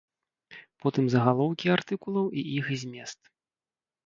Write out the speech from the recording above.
Потым загалоўкі артыкулаў і іх змест.